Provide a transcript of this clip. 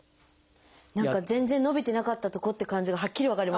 何か全然伸びてなかったとこって感じがはっきり分かりますね。